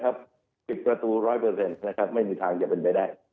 ปิดประตู๑๐๐ไม่มีทางจะเป็นไปได้